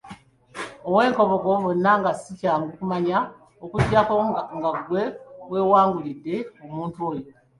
Ow'enkobogo bonna nga si kyangu kumanya okuggyako nga ggwe weewangulidde omuntu oyo.